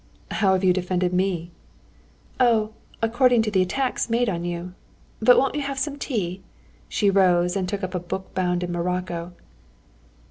"How have you defended me?" "Oh, according to the attacks made on you. But won't you have some tea?" She rose and took up a book bound in morocco.